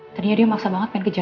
kalaupun mbak sedang gak bisa